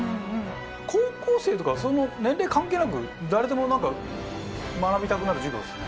高校生とかその年齢関係なく誰でも何か学びたくなる授業ですね。